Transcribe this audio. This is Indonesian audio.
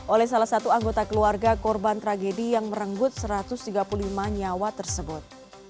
oleh salah satu anggota keluarga korban tragedi yang merenggut satu ratus tiga puluh lima nyawa tersebut